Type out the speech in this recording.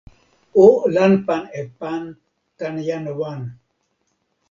o lanpan e pan tan jan wan.